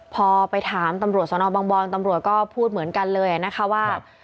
พอไปถามตำรวจสนบางบอนตำรวจก็พูดเหมือนกันเลยนะคะว่า